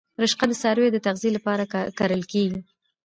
رشقه د څارویو د تغذیې لپاره کرل کیږي